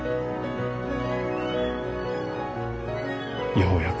ようやく。